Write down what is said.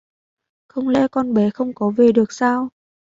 Không lẽ con bé không có về được sao